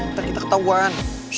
ntar kita ketauan